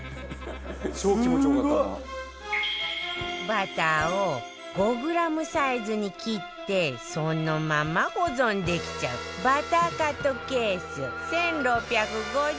バターを５グラムサイズに切ってそのまま保存できちゃうバターカットケース１６５０円